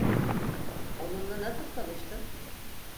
Onunla nasıl tanıştın?